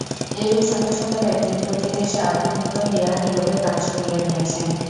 এইরূপ শত শত ব্যক্তি প্রতি দেশে আবির্ভূত হইয়া নীরবে কাজ করিয়া গিয়াছেন।